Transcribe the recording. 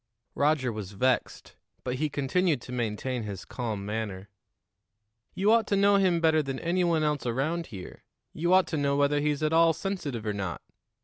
Roger was vexed, but he continued to maintain his calm manner. "You ought to know him better than any one else around here; you ought to know whether he's at all sensitive or not.